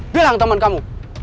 bilang temen kamu